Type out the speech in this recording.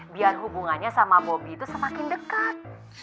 biar hubungannya sama bobby itu semakin deket